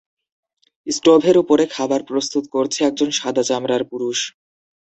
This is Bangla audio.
স্টোভের উপরে খাবার প্রস্তুত করছে একজন সাদা চামড়ার পুরুষ।